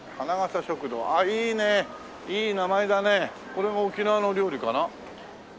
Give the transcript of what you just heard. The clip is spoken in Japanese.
これも沖縄の料理かな？